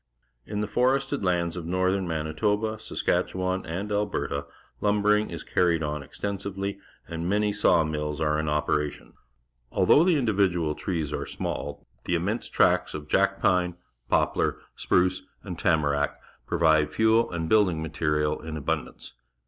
In the forested lands of northern Manitoba, Saskatchewan, and Alberta, lumbering is carried on extensively, and jTiany_§aw mill.s are in operation. Although the individual trees are small, the immense tracts of jack pine, poplar, sprucej^ujd^tama rn.ck provide fuel and l)uildiii£ material in abundance.